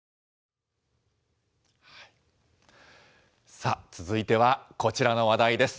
さあ、続いてはこちらの話題です。